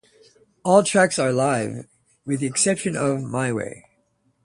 All tracks are live, with the exception of "My Way".